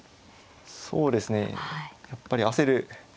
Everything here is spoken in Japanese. そうですねやっぱり焦る。